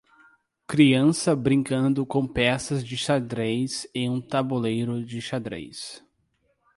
Criança brincando com peças de xadrez em um tabuleiro de xadrez.